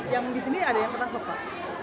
yang di sini ada yang tetap lepak